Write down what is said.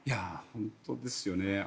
本当ですよね。